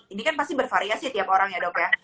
ini kan pasti bervariasi tiap orang ya dok ya